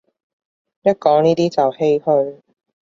一講呢啲就唏噓